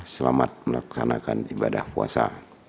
selamat melaksanakan ibadah puasa